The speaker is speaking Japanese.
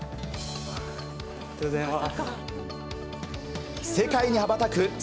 ありがとうございます。